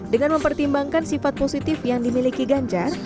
dengan mempertimbangkan sifat positif yang dimiliki ganjar